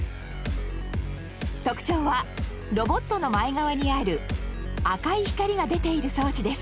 特徴はロボットの前側にある赤い光が出ている装置です。